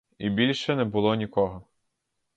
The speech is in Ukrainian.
І більше не було нікого.